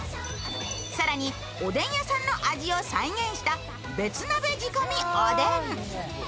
更におでん屋さんの味を再現した別鍋仕込おでん。